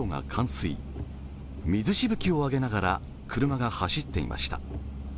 水しぶきをあげながら車が走っていました。